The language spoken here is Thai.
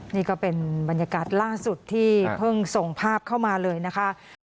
นี่ก็เป็นบรรยากาศล่าสุดที่เพิ่งส่งภาพเข้ามาเลยนะคะ